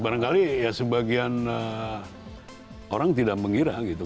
barangkali ya sebagian orang tidak mengira gitu